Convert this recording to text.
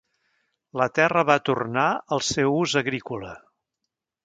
La terra va tornar al seu ús agrícola.